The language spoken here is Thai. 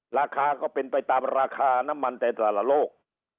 ราคาก็เป็นไปตามราคาน้ำมันแต่แต่ละโลก